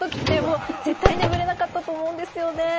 絶対眠れなかったと思うんですよね。